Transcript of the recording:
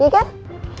iya juga sih